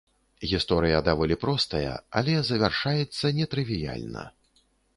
Гісторыя даволі простая, але завяршаецца нетрывіяльна.